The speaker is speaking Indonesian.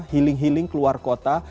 healing healing keluar kota